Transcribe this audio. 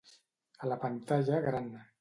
A la pantalla gran.